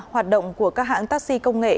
hoạt động của các hãng taxi công nghệ